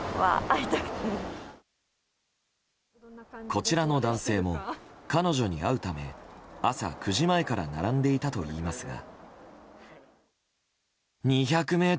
こちらの男性も彼女に会うため朝９時前から並んでいたといいますが。